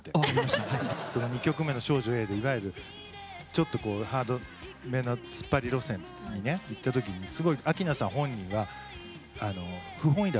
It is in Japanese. その２曲目の「少女Ａ」でいわゆるちょっとハードめなツッパリ路線にねいった時にすごい明菜さん本人は不本意だったんですって。